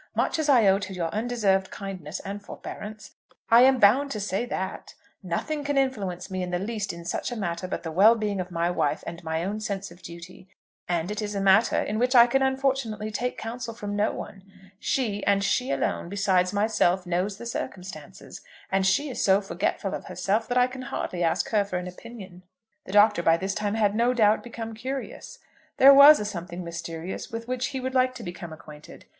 Much as I owe to your undeserved kindness and forbearance, I am bound to say that. Nothing can influence me in the least in such a matter but the well being of my wife, and my own sense of duty. And it is a matter in which I can unfortunately take counsel from no one. She, and she alone, besides myself, knows the circumstances, and she is so forgetful of herself that I can hardly ask her for an opinion." The Doctor by this time had no doubt become curious. There was a something mysterious with which he would like to become acquainted.